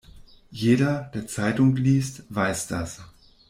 Jeder, der Zeitung liest, weiß das.